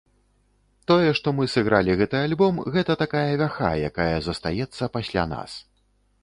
Тое, што мы сыгралі гэты альбом, гэта такая вяха, якая застаецца пасля нас.